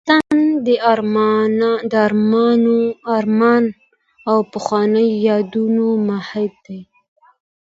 وطن د ارمان او پخوانيو یادونو مهد دی.